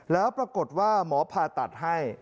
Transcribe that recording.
แล้วปรากฏว่าหมอผ่าตัดให้